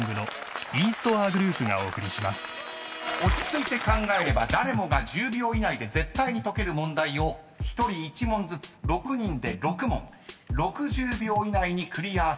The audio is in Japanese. ［落ち着いて考えれば誰もが１０秒以内で絶対に解ける問題を１人１問ずつ６人で６問６０秒以内にクリアする挑戦です］